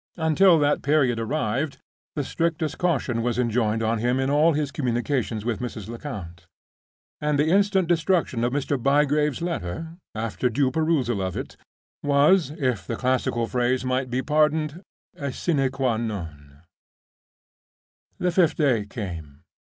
Until that period arrived, the strictest caution was enjoined on him in all his communications with Mrs. Lecount; and the instant destruction of Mr. Bygrave's letter, after due perusal of it, was (if the classical phrase might be pardoned) a sine qua non. The fifth day came.